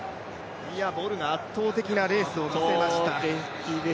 ボルが圧倒的なレースを見せました。